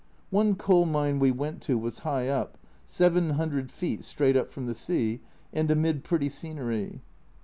One coal mine we went to was high up, 700 feet straight up from the sea, and amid pretty scenery.